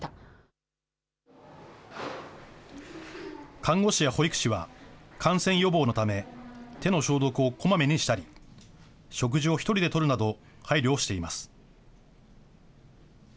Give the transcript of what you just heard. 看護師や保育士は、感染予防のため、手の消毒をこまめにしたり、食事を１人でとるなど、配慮をしています。